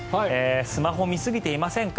スマホを見すぎていませんか？